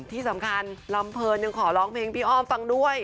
ที่สำคัญลำเพลินยังขอร้องเพลงพี่อ้อมฟังด้วย